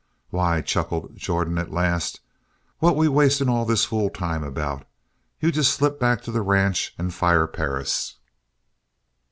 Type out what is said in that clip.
"Why," chuckled Jordan at last, "what we wasting all this fool time about? You just slip back to the ranch and fire Perris."